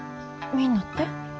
みんなって？